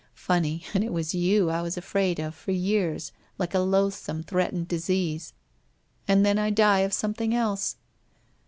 Funny, and it was you I was afraid of for years like a loathsome threatened disease, and then I die of something else.